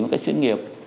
với các chuyên nghiệp